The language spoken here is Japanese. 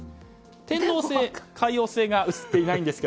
天王星、海王星が映っていませんが。